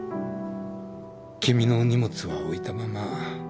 君の荷物は置いたまま。